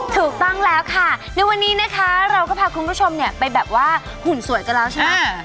ถูกต้องแล้วค่ะในวันนี้นะคะเราก็พาคุณผู้ชมเนี่ยไปแบบว่าหุ่นสวยกันแล้วใช่ไหม